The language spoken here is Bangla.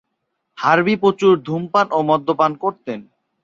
হার্ভি প্রচুর ধূমপান ও মদ্যপান করতেন।